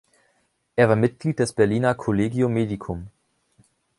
Er war Mitglied des Berliner Collegium medicum.